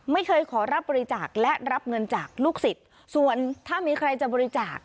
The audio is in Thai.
ไม่เคยขอรับบริจาคและรับเงินจากลูกศิษย์ส่วนถ้ามีใครจะบริจาค